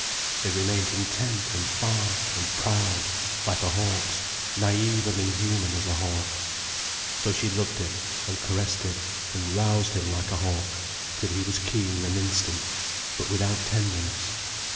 They remained intent, and far, and proud, like a hawk's naïve and inhuman as a hawk's. So she loved him and caressed him and roused him like a hawk, till he was keen and instant, but without tenderness.